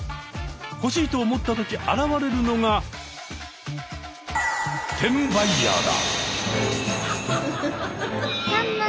欲しいと思った時現れるのが転売ヤーだ！